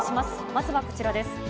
まずはこちらです。